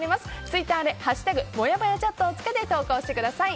ツイッターで「＃もやもやチャット」をつけて投稿してください。